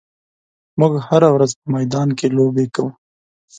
موږ هره ورځ په میدان کې لوبې کوو.